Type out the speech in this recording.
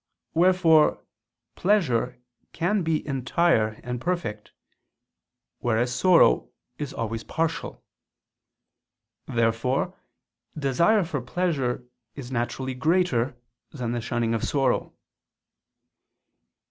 Wherefore pleasure can be entire and perfect: whereas sorrow is always partial. Therefore desire for pleasure is naturally greater than the shunning of sorrow.